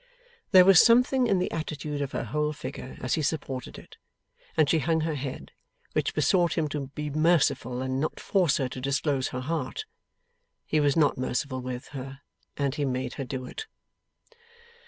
There was something in the attitude of her whole figure as he supported it, and she hung her head, which besought him to be merciful and not force her to disclose her heart. He was not merciful with her, and he made her do it.